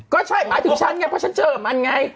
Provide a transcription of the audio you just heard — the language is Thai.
ก็ใช่หมายถึงฉันไงเพราะฉันเจอกับมันไง